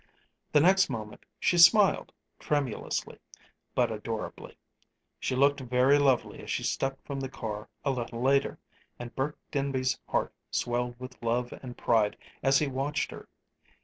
The next moment she smiled, tremulously, but adorably. She looked very lovely as she stepped from the car a little later; and Burke Denby's heart swelled with love and pride as he watched her.